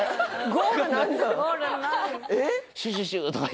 ゴールない？